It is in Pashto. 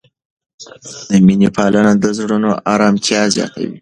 د مینې پالنه د زړونو آرامتیا زیاتوي.